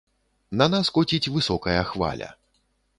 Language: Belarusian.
На нас коціць высокая хваля.